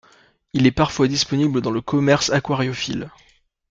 Il est parfois disponible dans le commerce aquariophile.